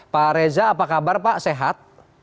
pak reza apa kabar pak sehat